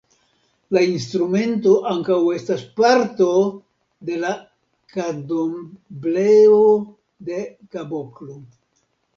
La instrumento ankaŭ estas parto de la Kandombleo-de-kaboklo.